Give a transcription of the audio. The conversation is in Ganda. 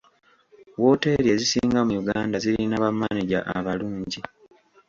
Wooteeri ezisinga mu Uganda zirina bamaneja abalungi